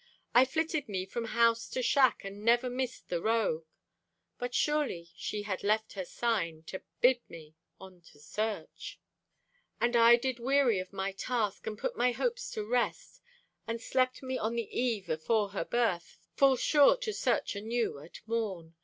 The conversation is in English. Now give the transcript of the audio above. I flitted me from house to shack, And ever missed the rogue; But surely she had left her sign To bid me on to search. And I did weary of my task And put my hopes to rest, And slept me on the eve afore her birth, Full sure to search anew at morn.